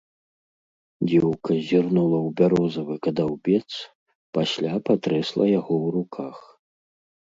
Дзеўка зірнула ў бярозавы кадаўбец, пасля патрэсла яго ў руках.